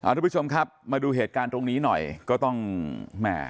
ทุกผู้ชมครับมาดูเหตุการณ์ตรงนี้หน่อยก็ต้องแหม่